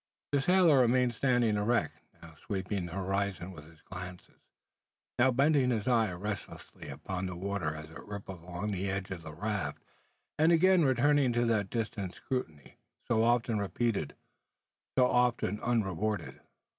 The sailor remained standing erect; now sweeping the horizon with his glance, now bending his eye restlessly upon the water as it rippled along the edge of the raft, and again returning to that distant scrutiny, so oft repeated, so oft unrewarded.